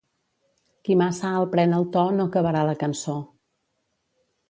Qui massa alt pren el to, no acabarà la cançó.